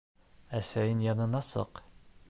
Әсәйең янына сыҡ.